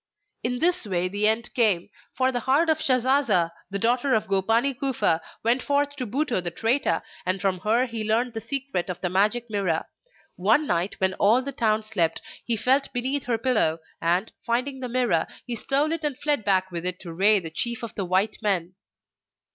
In this way the end came. For the heart of Shasasa, the daughter of Gopani Kufa, went forth to Butou the traitor, and from her he learnt the secret of the Magic Mirror. One night, when all the town slept, he felt beneath her pillow and, finding the Mirror, he stole it and fled back with it to Rei, the chief of the white men.